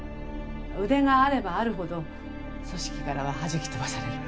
腕があればあるほど組織からは弾き飛ばされる。